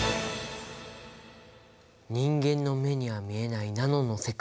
人間の目には見えないナノの世界。